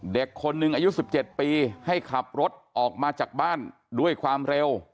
เด็กคนหนึ่งอายุ๑๗ปีให้ขับรถออกมาจากบ้านด้วยความเร็ว